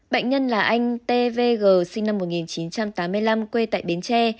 bệnh nhân là anh t v g sinh năm một nghìn chín trăm tám mươi năm quê tại bến tre